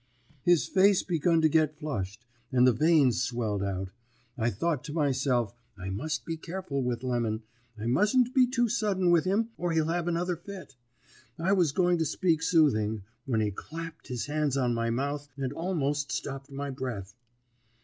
"His face begun to get flushed, and the veins swelled out. I thought to myself, I must be careful with Lemon; I mustn't be too sudden with him, or he'll have another fit. I was going to speak soothing, when he clapped his hand on my mouth and almost stopped my breath.